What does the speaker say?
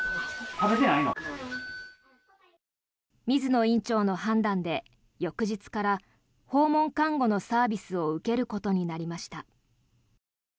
水野院長の判断で翌日から訪問看護のサービスを受けることになりました。